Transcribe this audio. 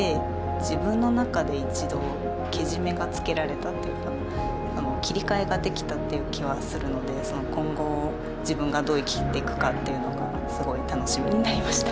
自分の中で一度けじめがつけられたというか切り替えができたという気はするので今後自分がどう生きていくかというのがすごい楽しみになりました。